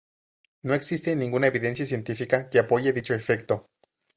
No existe ninguna evidencia científica que apoye dicho efecto.